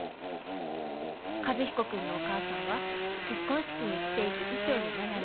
「和彦君のお母さんは結婚式に着ていく衣装に悩んでいるそうです」。